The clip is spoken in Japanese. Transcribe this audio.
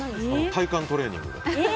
体幹トレーニングで。